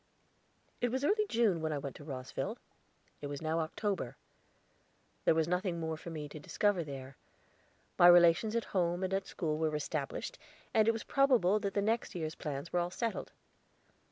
It was early June when I went to Rosville; it was now October. There was nothing more for me to discover there. My relations at home and at school were established, and it was probable that the next year's plans were all settled.